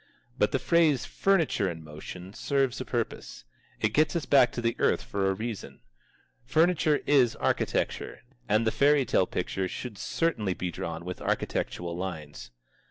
But the phrase "furniture in motion" serves a purpose. It gets us back to the earth for a reason. Furniture is architecture, and the fairy tale picture should certainly be drawn with architectural lines.